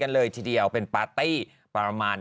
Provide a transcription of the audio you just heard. เก่งเก่งเก่งเก่งเก่ง